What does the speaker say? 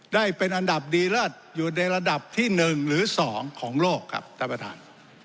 ได้เป็นอันดับดีเลิศอยู่ในระดับที่๑หรือ๒ของโลกครับท่านประธาน